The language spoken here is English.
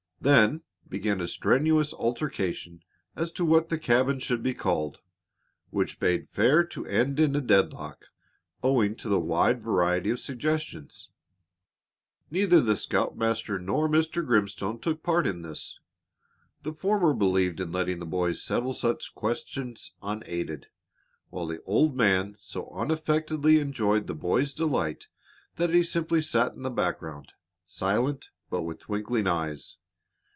Then began a strenuous altercation as to what the cabin should be called which bade fair to end in a deadlock, owing to the wide variety of suggestions. Neither the scoutmaster nor Mr. Grimstone took part in this. The former believed in letting the boys settle such questions unaided, while the old man so unaffectedly enjoyed the boys' delight that he simply sat in the background, silent, but with twinkling eyes.